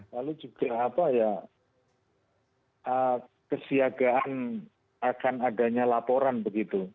lalu juga apa ya kesiagaan akan adanya laporan begitu